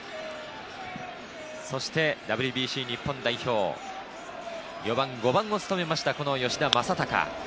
そしてＷＢＣ日本代表、４番・５番も務めました吉田正尚。